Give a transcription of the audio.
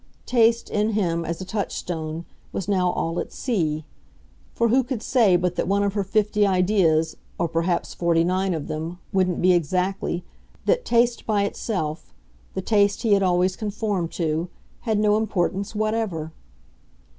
Taste, in him, as a touchstone, was now all at sea; for who could say but that one of her fifty ideas, or perhaps forty nine of them, wouldn't be, exactly, that taste by itself, the taste he had always conformed to, had no importance whatever?